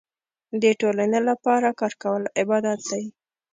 د ټولنې لپاره کار کول عبادت دی.